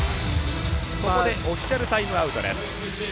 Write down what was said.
ここでオフィシャルタイムアウトです。